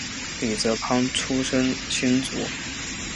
李泽藩出生新竹